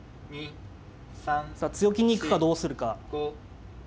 さあ強気に行くかどうするか。